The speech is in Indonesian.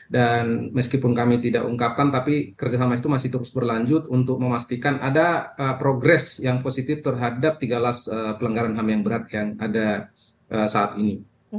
dan meskipun kami tidak ungkapkan tapi kerja sama itu masih terus berlanjut untuk memastikan ada progres yang positif terhadap tiga alas pelenggaran ham yang berat yang ada saat ini